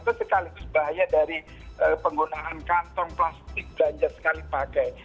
itu sekaligus bahaya dari penggunaan kantong plastik belanja sekali pakai